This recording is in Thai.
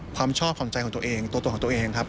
ความชอบของใจของตัวเองตัวของตัวเองครับ